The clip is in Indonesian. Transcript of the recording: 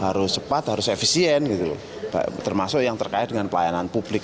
harus cepat harus efisien gitu loh termasuk yang terkait dengan pelayanan publik